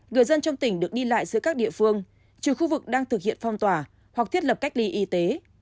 người dân trong tỉnh được đi lại giữa các địa phương trừ khu vực đang thực hiện phong tỏa hoặc thiết lập cách ly y tế